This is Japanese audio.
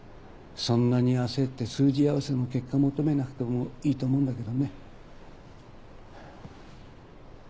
そんなに焦って数字合わせの結果求めなくてもいいと思うんだけどね。